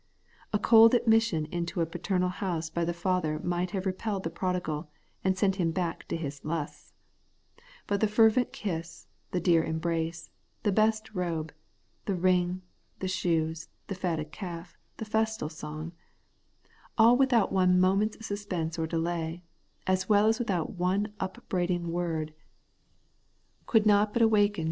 A cold admission into the paternal house by the father might have repelled the prodigal, and sent him back to his lusts ; but the fervent kiss, the dear embrace, the best robe, the ring, the shoes, the fatted calf, the festal song, — ^aU without one moment's suspense or delay, as well as without one upbraiding word, could not but awaken 196 2%6 Everlasting Righteousness.